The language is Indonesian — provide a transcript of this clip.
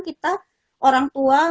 kita orang tua